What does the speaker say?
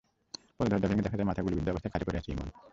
পরে দরজা ভেঙে দেখা যায়, মাথায় গুলিবিদ্ধ অবস্থায় খাটে পড়ে আছে ইমন।